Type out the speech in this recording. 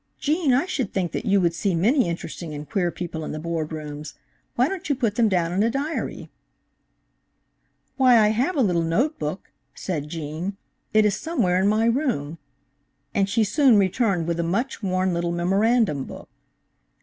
"Gene, I should think that you would see many interesting and queer people in the Board rooms. Why don't you put them down in a diary?" "Why, I have a little note book," said Gene, "it is somewhere in my room," and she soon returned with a much worn little memorandum book.